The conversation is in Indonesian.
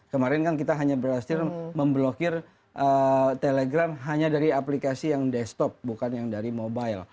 kemarin kan kita hanya berhasil memblokir telegram hanya dari aplikasi yang desktop bukan yang dari mobile